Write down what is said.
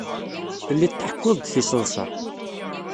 Telliḍ tḥekkuḍ-d tiseḍsa.